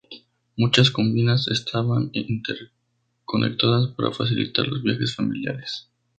Muchas cabinas estaban interconectadas para facilitar los viajes familiares.